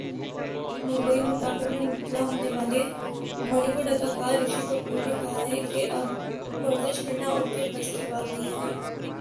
ممبئی موٹاپے میں مبتلا ہونے والے بالی ووڈ اداکار رشی کپور نے کہا ہے کہ اب ورزش کرنا انکے بس کی بات نہیں ہے